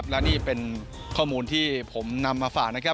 และนี่เป็นข้อมูลที่ผมนำมาฝาก